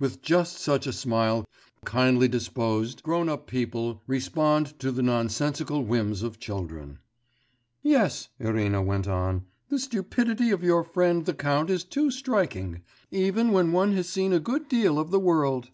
With just such a smile kindly disposed grown up people respond to the nonsensical whims of children. 'Yes,' Irina went on, 'the stupidity of your friend the Count is too striking, even when one has seen a good deal of the world.